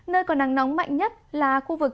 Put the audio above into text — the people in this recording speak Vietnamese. nơi có nắng nóng mạnh nhất là khu vực